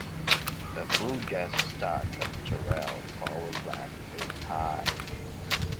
The flue gas stack of Teruel Power Plant is high.